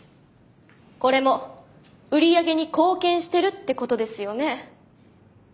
これも売り上げに貢献してるってことですよね？